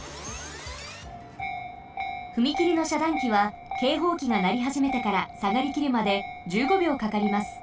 ふみきりのしゃだんきはけいほうきがなりはじめてからさがりきるまで１５秒かかります。